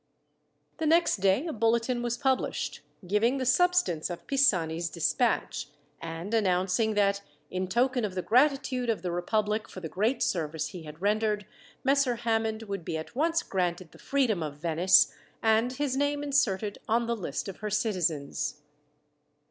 The next day a bulletin was published, giving the substance of Pisani's despatch, and announcing that, in token of the gratitude of the republic for the great service he had rendered, Messer Hammond would be at once granted the freedom of Venice, and his name inserted on the list of her citizens.